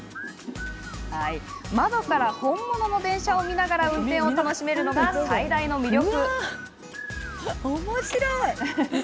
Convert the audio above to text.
窓から本物の電車を見ながら運転が楽しめるのが最大の魅力。